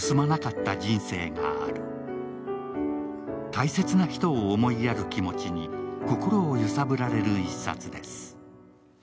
大切な人を思いやる気持ちに心を揺さぶられる一冊です。